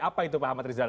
apa itu pak hamad rizal